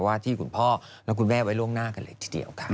ที่คุณพ่อและคุณแม่ไว้ล่วงหน้ากันเลยทีเดียวค่ะ